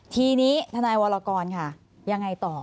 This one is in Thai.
ทีนี้ทนายวรกรค่ะยังไงต่อ